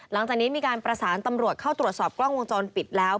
หลังจากนี้มีการประสานตำรวจเข้าตรวจสอบกล้องวงจรปิดแล้ว